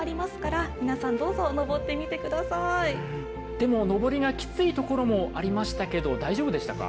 でも登りがきついところもありましたけど大丈夫でしたか？